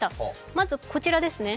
まずこちらですね。